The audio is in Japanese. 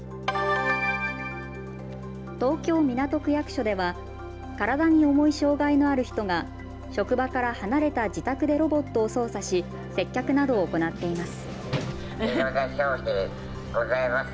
東京港区役所では体に重い障害のある人が職場から離れた自宅でロボットを操作し接客などを行っています。